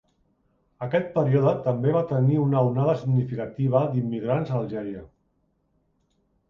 Aquest període també va tenir una onada significativa d'immigrants d'Algèria.